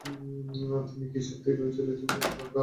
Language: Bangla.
তুমি কি সত্যিই ভেবেছিলে তুমি পালাতে পারবে।